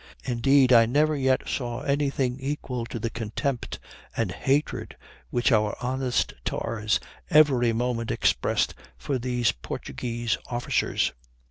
Indeed, I never yet saw anything equal to the contempt and hatred which our honest tars every moment expressed for these Portuguese officers.